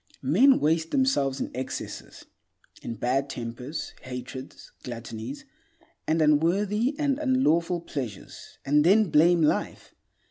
Men waste themselves in excesses; in bad tempers, hatreds, gluttonies, and unworthy and unlawful pleasures, and then blame life.